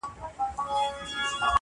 څوک چي ستا په قلمرو کي کړي ښکارونه-